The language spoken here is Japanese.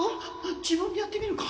自分でやってみるか